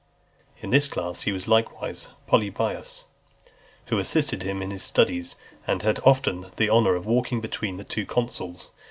In this class was likewise Polybius, who assisted him in his studies, and had often the honour of walking between the two consuls.